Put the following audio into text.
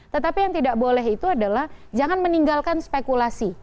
tetapi yang tidak boleh itu adalah jangan meninggalkan spekulasi